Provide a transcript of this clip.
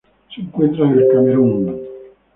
Se encuentra en el Camerún.